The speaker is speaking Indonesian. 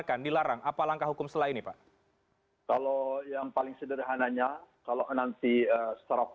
kan bisa perkumpulan bisa saja